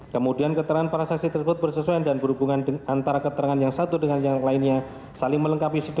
keterangan saksi adecat keterangan adecat